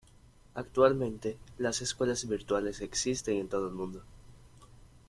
Actualmente, las escuelas virtuales existen en todo el mundo.